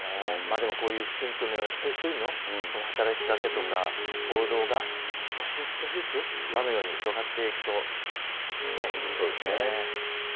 でもこういう駿君のような一人一人の働きかけとか、行動が少しずつ少しずつ輪のように広がっていくといいですね。